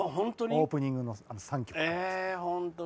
オープニングの３曲が。